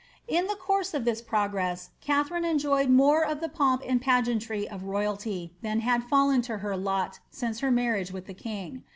In the course of this progress Katharine en joyed more of the pomp and pageantry of royalty than had fallen to her lot since her marriage with the king.